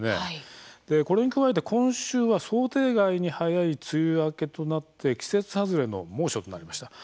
これに加えて今週は想定外に早い梅雨明けとなって季節外れの猛暑となりました。